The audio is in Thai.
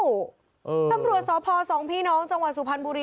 ตำรวจสพสองพี่น้องจังหวัดสุพรรณบุรี